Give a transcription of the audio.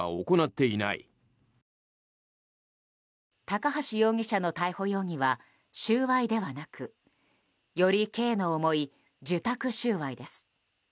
高橋容疑者の逮捕容疑は収賄ではなくより刑の重い受託収賄です。